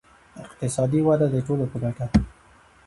اقتصادي وده د ټولو په ګټه ده.